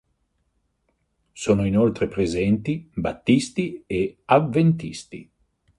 Sono inoltre presenti battisti e avventisti.